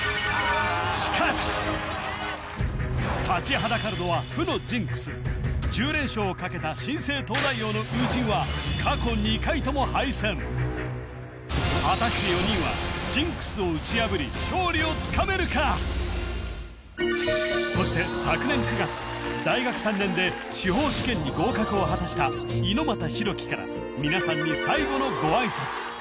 しかし立ちはだかるのは負のジンクス１０連勝をかけた新生東大王の初陣は過去２回とも敗戦果たして４人はそして昨年９月大学３年で司法試験に合格を果たした猪俣大輝から皆さんに最後のご挨拶